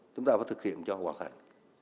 chúng ta phải thực hiện cho họ hoạt hại